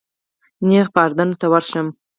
نیغ به اردن ته ورشم.